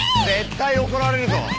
絶対怒られるぞ。